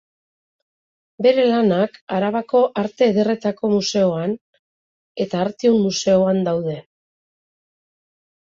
Bere lanak Arabako Arte Ederretako Museoan eta Artium Museoan daude.